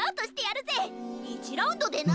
１ラウンドでな！